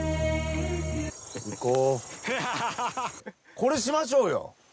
これしましょうよ。